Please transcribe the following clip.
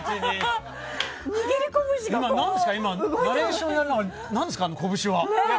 ナレーションやるのに何ですか、その拳は。